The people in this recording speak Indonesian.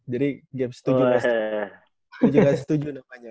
jadi game setuju gak setuju namanya